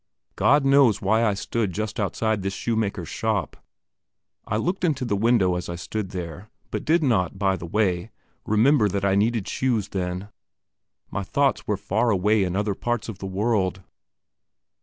God knows why I stood just outside this shoemaker's shop. I looked into the window as I stood there, but did not, by the way, remember that I needed shoes then; my thoughts were far away in other parts of the world.